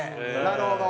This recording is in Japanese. なるほど。